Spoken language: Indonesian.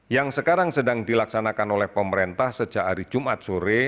yang sekarang sedang dilaksanakan oleh pemerintah sejak hari jumat sore